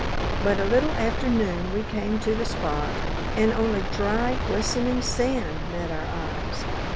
But a little after noon we came to the spot, and only dry, glistening sand met our eyes.